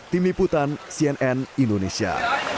tim liputan cnn indonesia